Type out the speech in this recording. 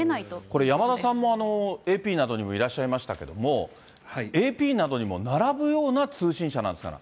これ、山田さんもＡＰなどにもいらっしゃいましたけれども、ＡＰなどにも並ぶような通信社だったんですか？